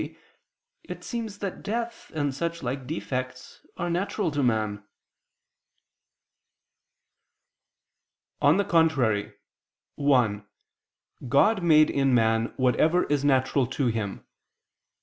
50, it seems that death and such like defects are natural to man. On the contrary, (1) God made in man whatever is natural to him.